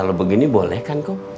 kalau begini boleh kan kok